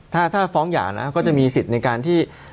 ถ้าฟ้องหย่านะก็จะมีสิทธิ์ในการที่